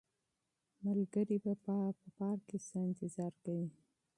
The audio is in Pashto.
ملګري په پارک کې ستا انتظار کوي.